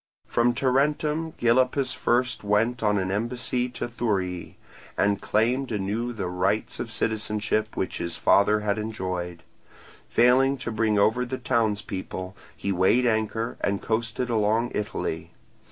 From Tarentum Gylippus first went on an embassy to Thurii, and claimed anew the rights of citizenship which his father had enjoyed; failing to bring over the townspeople, he weighed anchor and coasted along Italy.